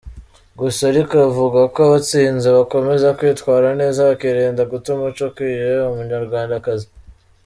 Gusa ariko avuga ko abatsinze bakomeza kwitwara neza bakirinda guta umuco ukwiye umunyarwandakazi.